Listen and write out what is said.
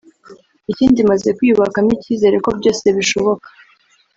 ikindi maze kwiyubakamo ikizere ko byose bishoboka”